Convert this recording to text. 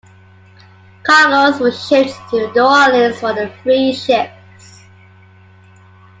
Cargoes were shipped to New Orleans for the three ships.